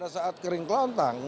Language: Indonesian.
saat kering klontang